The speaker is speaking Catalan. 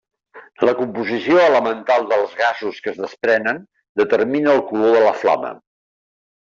La composició elemental dels gasos que es desprenen determina el color de la flama.